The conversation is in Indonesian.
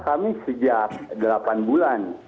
kami sejak delapan bulan